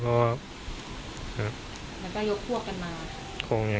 เหมือนกันยกพวกกันมา